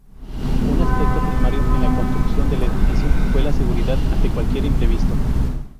Un aspecto primario en la construcción del edificio fue la seguridad ante cualquier imprevisto.